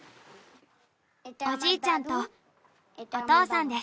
おじいちゃんとお父さんです。